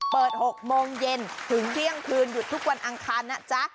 เปิด๖โมงเย็นถึงเที่ยงคืนหยุดทุกวันอังคารนะจ๊ะ